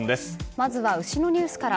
まずは牛のニュースから。